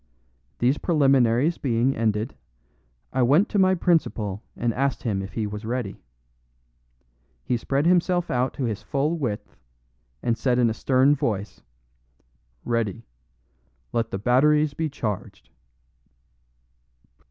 These preliminaries being ended, I went to my principal and asked him if he was ready. He spread himself out to his full width, and said in a stern voice, "Ready! Let the batteries be charged."